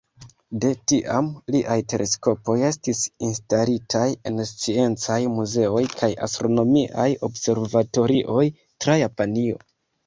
De tiam, liaj teleskopoj estis instalitaj en sciencaj muzeoj kaj astronomiaj observatorioj tra Japanio.